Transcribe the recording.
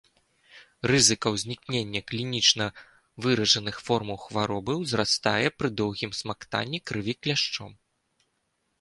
Рызыка ўзнікнення клінічна выражаных формаў хваробы ўзрастае пры доўгім смактанні крыві кляшчом.